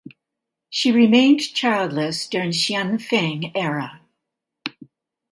She remained childless during Xianfeng era.